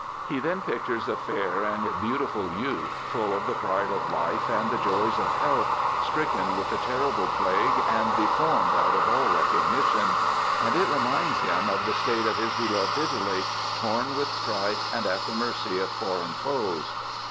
He then pictures a fair and beautiful youth, full of the pride of life and the joys of health, stricken with the terrible plague and deformed out of all recognition ; and it reminds him of the state of his beloved Italy, torn with strife and at the mercy of foreign foes.